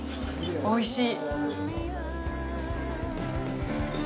おいしい。